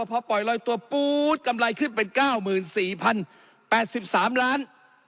พอปล่อยลอยตัวปู๊ดกำไรขึ้นเป็น๙๔๐๘๓ล้าน